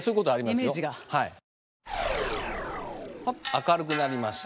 明るくなりました。